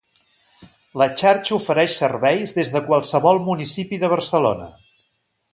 La Xarxa ofereix serveis des de qualsevol municipi de Barcelona.